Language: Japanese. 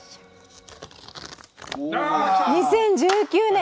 ２０１９年